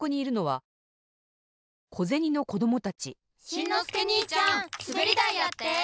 しんのすけにいちゃんすべりだいやって！